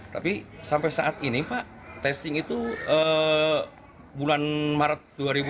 tapi sampai saat ini pak testing itu bulan maret dua ribu dua puluh